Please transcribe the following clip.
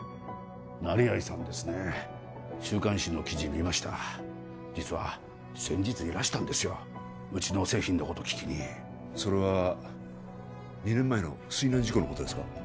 成合さんですね週刊誌の記事見ました実は先日いらしたんですようちの製品のことを聞きにそれは２年前の水難事故のことですか？